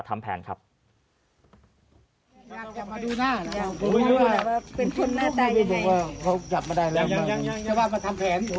ชาวบ้านญาติโปรดแค้นไปดูภาพบรรยากาศขณะ